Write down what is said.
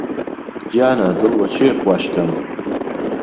گیانه دڵ وه کێ خوهش کهم